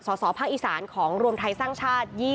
สสภาคอีสานของรวมไทยสร้างชาติ